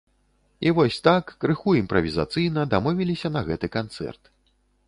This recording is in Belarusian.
І вось так, крыху імправізацыйна дамовіліся на гэты канцэрт.